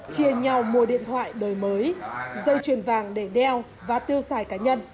chia nhau mua điện thoại đời mới dây chuyền vàng để đeo và tiêu xài cá nhân